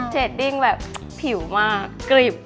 ดิ้งแบบผิวมากกริบ